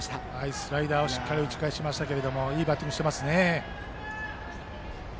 スライダーをしっかり打ち返しましたけどいいバッティングをしてますね。